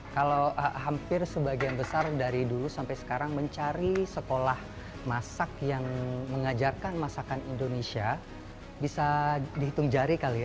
kalau hampir sebagian besar dari dulu sampai sekarang mencari sekolah masak yang mengajarkan masakan indonesia bisa dihitung jari kali ya